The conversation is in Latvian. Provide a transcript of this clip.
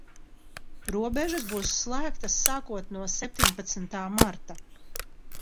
Robežas būs slēgtas sākot no septiņpadsmitā marta.